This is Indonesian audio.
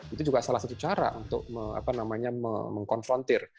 itu juga salah satu cara untuk mengkonfrontir